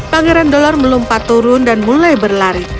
pangeran dolor melompat turun dan mulai berlari